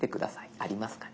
ありますかね？